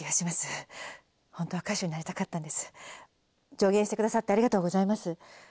助言してくださってありがとうございます。